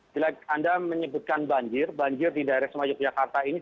jelek anda menyebutkan banjir banjir di daerah sema yogyakarta ini